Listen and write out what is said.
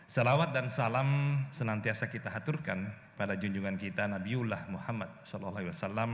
salawat dan salam senantiasa kita haturkan pada junjungan kita nabiullah muhammad saw